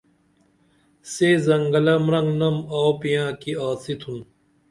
سے زنگلہ مرنگنم آو پیاں کی آڅی تُھن